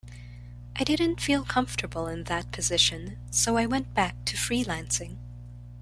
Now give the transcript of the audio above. I didn't feel comfortable in that position, so I went back to freelancing.